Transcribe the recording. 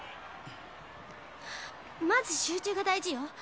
まず集中が大事よ